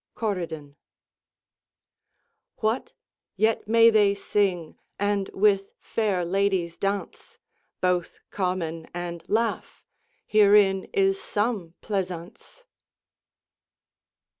CORIDON What! yet may they sing and with fayre ladies daunce, Both commen and laugh; herein is some pleasaunce.